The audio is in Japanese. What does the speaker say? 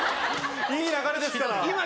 いい流れですから。